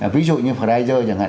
ví dụ như pfizer chẳng hạn